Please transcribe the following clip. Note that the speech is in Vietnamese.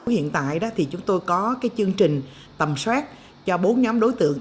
hiện tại chúng tôi có chương trình tầm soát cho bốn nhóm đối tượng